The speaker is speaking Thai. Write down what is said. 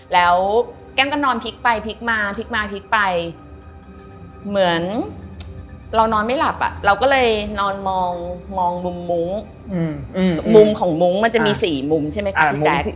แล้วแก้มก็นอนพลิกไปพลิกมาพลิกมาพลิกไปเหมือนเรานอนไม่หลับเราก็เลยนอนมองมุมมุ้งมุมของมุ้งมันจะมี๔มุมใช่ไหมคะพี่แจ๊ค